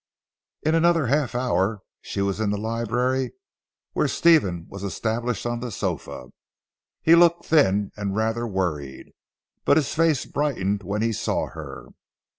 In another half hour she was in the library where Stephen was established on the sofa. He looked thin, and rather worried, but his face brightened when he saw her.